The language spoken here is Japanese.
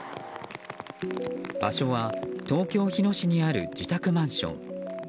場所は、東京・日野市にある自宅マンション。